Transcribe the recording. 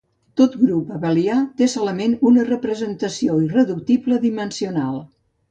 Tot grup abelià té solament una representació irreductible dimensional.